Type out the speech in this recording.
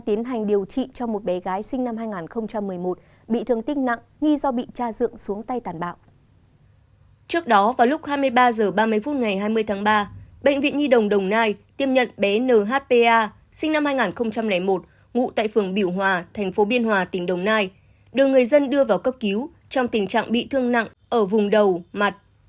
trong lúc hai mươi ba h ba mươi phút ngày hai mươi tháng ba bệnh viện nhi đồng đồng nai tiêm nhận bé nhpa sinh năm hai nghìn một ngụ tại phường biểu hòa thành phố biên hòa tỉnh đồng nai đưa người dân đưa vào cấp cứu trong tình trạng bị thương nặng ở vùng đầu mặt